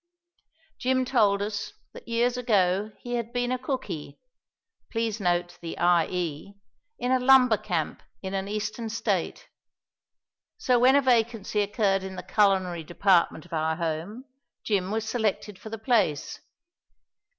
Jim told us that years ago he had been a "cookie" please note the "ie" in a lumber camp in an Eastern State. So when a vacancy occurred in the culinary department of our home Jim was selected for the place.